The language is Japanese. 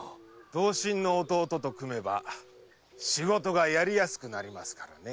同心の弟と組めば仕事がやりやすくなりますからねえ。